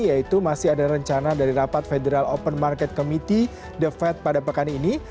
yaitu masih ada rencana dari rapat federal open market committee the fed pada pekan ini